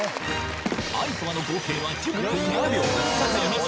相川の合計は１０分７秒酒井美紀